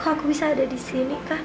hai kau bisa ada di sini kak